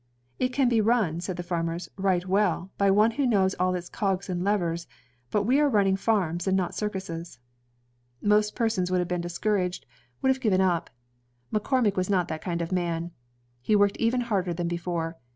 "It can be run," said the farmers, "right well, by one who knows all its cogs and levers, but we are running farms and not circuses." Most i>ersons would have been discouraged, would have 152 INVENTIONS OF MANUFACTURE AND PROt)UCTION given up. McCormick was not that kind of man; he worked even harder than before.